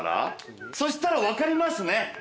そしたら分かりますね？